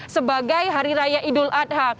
sebagai hari raya idul adha